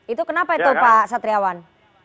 itu kenapa itu pak satriawan